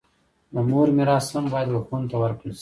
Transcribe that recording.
د مور میراث هم باید و خویندو ته ورکړل سي.